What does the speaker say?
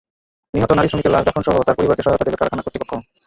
নিহত নারী শ্রমিকের লাশ দাফনসহ তাঁর পরিবারকে সহায়তা দেবে কারখানা কর্তৃপক্ষ।